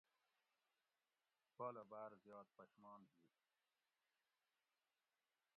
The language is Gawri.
بالہ باٞر زیات پشمان ہی